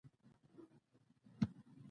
د دیر د خان څو کلي یې لاندې کړل.